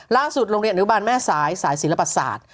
โรงเรียนอนุบาลแม่สายสายศิลปศาสตร์